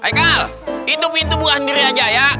haikal itu pintu bukan sendiri aja ya